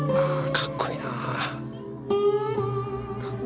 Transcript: かっこいいな。